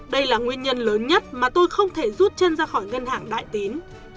đây là nguyên nhân lớn nhất mà tôi không thể rút chân ra khỏi ngân hàng đại tín